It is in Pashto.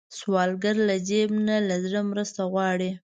سوالګر له جیب نه، له زړه مرسته غواړي